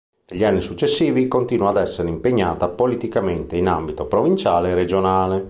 Negli anni successivi continua ad essere impegnata politicamente in ambito provinciale e regionale.